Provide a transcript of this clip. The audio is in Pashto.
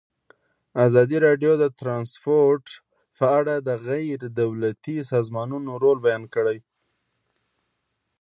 ازادي راډیو د ترانسپورټ په اړه د غیر دولتي سازمانونو رول بیان کړی.